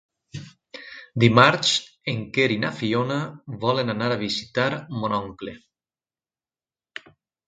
Dimarts en Quer i na Fiona volen anar a visitar mon oncle.